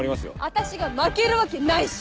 私が負けるわけないし！